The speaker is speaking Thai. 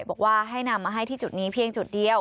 บอกว่าให้นำมาให้ที่จุดนี้เพียงจุดเดียว